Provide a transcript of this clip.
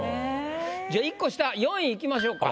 じゃあ１個下４位いきましょうか。